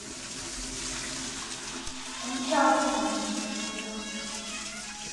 Ончал! — манеш председатель.